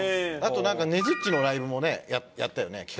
あとなんかねづっちのライブもねやったよね